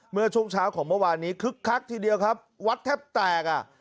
เมื่อช่วงเช้าของเมื่อวานนี้คึกคักทีเดียวครับวัดแทบแตกอ่ะ